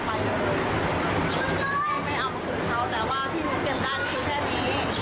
ไม่เอามาคืนเขาแต่ว่าที่หนูเก็บได้ก็คือแค่นี้